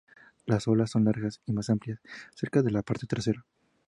Las alas son largas y más amplias, cerca de la parte trasera.